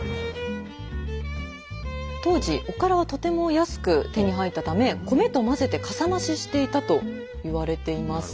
当時おからはとても安く手に入ったため米とまぜてかさ増ししていたと言われています。